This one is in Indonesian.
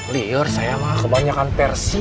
lior saya mah kebanyakan persi